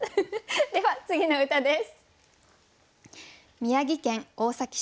では次の歌です。